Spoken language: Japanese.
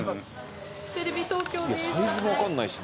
テレビ東京です。